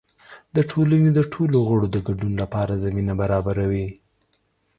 د ټولنې د ټولو غړو د ګډون لپاره زمینه برابروي.